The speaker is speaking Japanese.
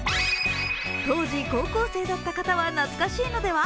当時、高校生だった方は懐かしいのでは？